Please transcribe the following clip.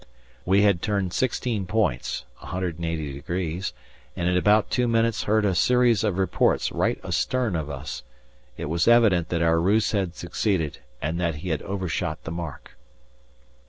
We had turned sixteen points, and in about two minutes heard a series of reports right astern of us. It was evident that our ruse had succeeded and that he had overshot the mark.